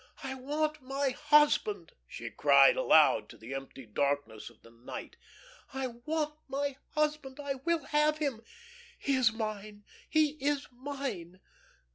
"I want my husband," she cried, aloud, to the empty darkness of the night. "I want my husband. I will have him; he is mine, he is mine.